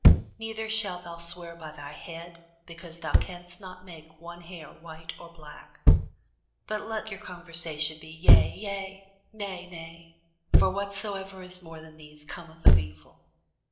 Neither shalt thou swear by thy head, because thou canst not make one hair white or black. But let your communication be, Yea, yea; Nay, nay: for whatsoever is more than these cometh of evil.